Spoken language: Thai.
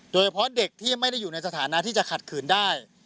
โดยเฉพาะเด็กที่ไม่ได้อยู่ในสถานะที่จะขัดขืนได้